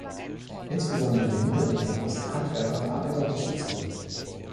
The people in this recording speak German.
Insbesondere der niedere Klerus, Handwerker und Arbeiter unterstützten ihn.